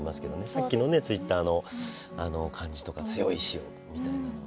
さっきのツイッターの感じとか強い意志みたいなね。